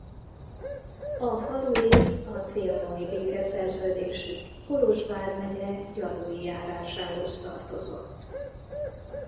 A falurész a trianoni békeszerződésig Kolozs vármegye Gyalui járásához tartozott.